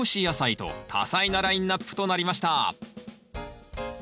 野菜と多彩なラインナップとなりました